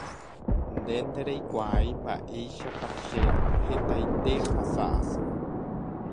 Nde ndereikuaái mba'éichapa che hetaite ahasa'asy